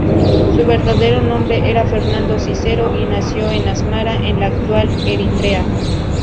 Su verdadero nombre era Fernando Cicero, y nació en Asmara, en la actual Eritrea.